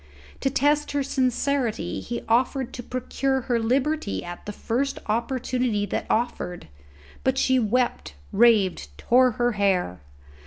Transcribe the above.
To test her sincerity he offered to procure her liberty at the first opportunity that offered; but she wept, raved, tore her hair.